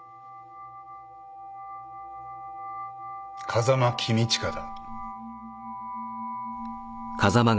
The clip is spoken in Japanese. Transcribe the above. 風間公親だ。